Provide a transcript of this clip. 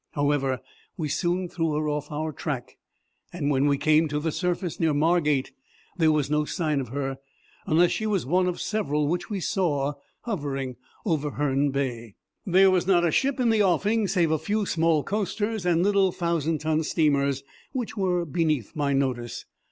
However, we soon threw her off our track, and when we came to the surface near Margate there was no sign of her, unless she was one of several which we saw hovering over Herne Bay. There was not a ship in the offing save a few small coasters and little thousand ton steamers, which were beneath my notice.